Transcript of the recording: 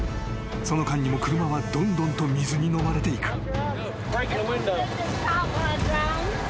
［その間にも車はどんどんと水にのまれていく］